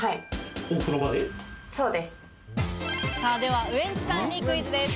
ではウエンツさんにクイズです。